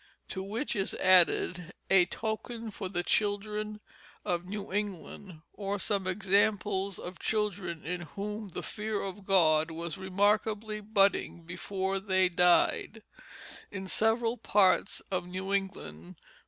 To which is added A Token for the Children of New England or Some Examples of Children in whom the Fear of God was remarkably Budding before they died; in several Parts of New England.